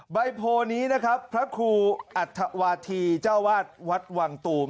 ใบโพนี้นะครับพระครูอัธวาธีเจ้าวาดวัดวังตูม